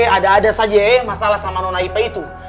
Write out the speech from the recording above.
ada ada saja ee masalah sama nona ipe itu